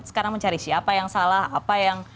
sekarang mencari siapa yang salah apa yang